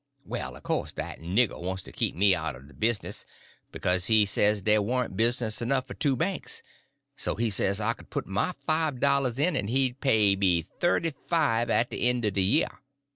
Well, o' course dat nigger want' to keep me out er de business, bekase he says dey warn't business 'nough for two banks, so he say I could put in my five dollars en he pay me thirty five at de en' er de year.